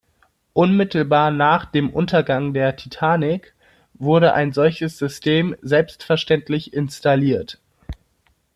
Unmittelbar nach dem Untergang der Titanic wurde ein solches System selbstverständlich installiert.